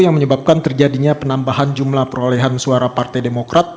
yang menyebabkan terjadinya penambahan jumlah perolehan suara partai demokrat